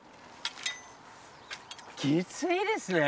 きついですね。